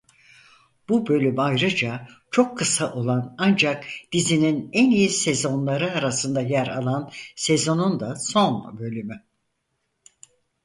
Bu bölüm ayrıca çok kısa olan ancak dizinin en iyi sezonları arasında yer alan sezonun da son bölümü.